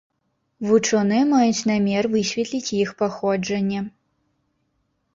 Вучоныя маюць намер высветліць іх паходжанне.